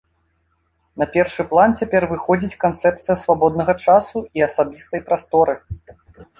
На першы план цяпер выходзіць канцэпцыя свабоднага часу і асабістай прасторы.